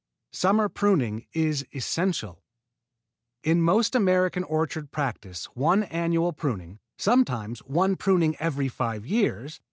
Summer pruning is essential. In most American orchard practise one annual pruning (sometimes one pruning every five years!)